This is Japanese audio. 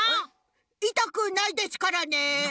いたくないですからね。